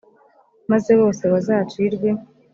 maze bose bazacirwe